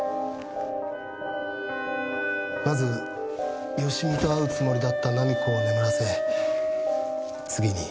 まず芳美と会うつもりだった菜実子を眠らせ次に。